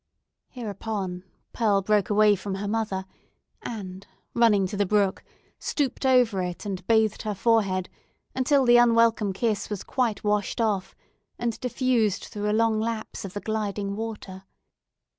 Hereupon, Pearl broke away from her mother, and, running to the brook, stooped over it, and bathed her forehead, until the unwelcome kiss was quite washed off and diffused through a long lapse of the gliding water.